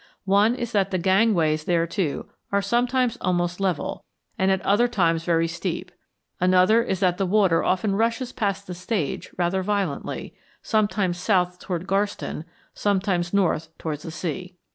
One is that the gangways thereto are sometimes almost level, and at other times very steep; another is that the water often rushes past the stage rather violently, sometimes south towards Garston, sometimes north towards the sea.